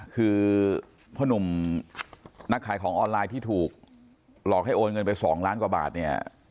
คือพ่อหนุ่มนักขายของออนไลน์ที่ถูกหลอกให้โอนเงินไป๒ล้านกว่าบาทเนี่ย